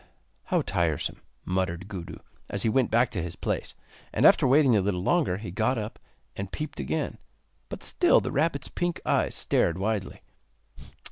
'How tiresome,' muttered Gudu, as he went back to his place; and after waiting a little longer he got up, and peeped again, but still the rabbit's pink eyes stared widely.